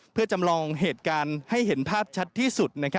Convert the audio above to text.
เพื่อจำลองเหตุการณ์ให้เห็นภาพชัดที่สุด